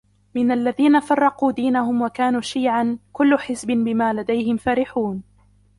من الذين فرقوا دينهم وكانوا شيعا كل حزب بما لديهم فرحون